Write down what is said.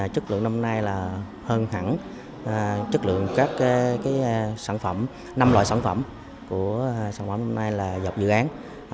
chất lượng năm nay là hơn hẳn chất lượng các sản phẩm năm loại sản phẩm của sản phẩm năm nay là dọc dự án